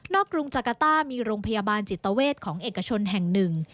กรุงจักรต้ามีโรงพยาบาลจิตเวทของเอกชนแห่งหนึ่ง